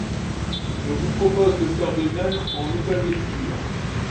Je vous propose de faire de même en nouvelle lecture.